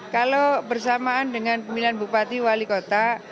kalau bersamaan dengan pemilihan bupati wali kota